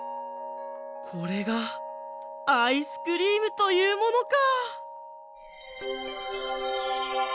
これがアイスクリームというものか！